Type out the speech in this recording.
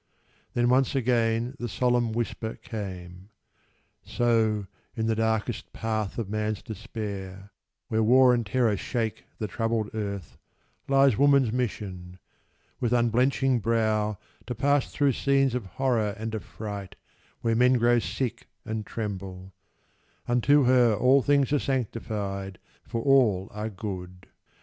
Then once again the solemn whisper came: "So in the darkest path of man's despair, Where War and Terror shake the troubled earth, Lies woman's mission; with unblenching brow To pass through scenes of horror and affright Where men grow sick and tremble: unto her All things are sanctified, for all are good.